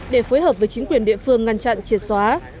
để phối hợp với chính quyền địa phương ngăn chặn triệt xóa